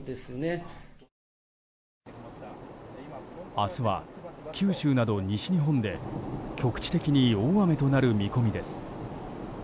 明日は九州など西日本で局地的に大雨となる見込みです。